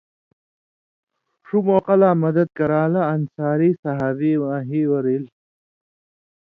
ݜُو موقع لا مدَت کران٘لہ (انصاری) صحابی واں ہی اور ایلیۡ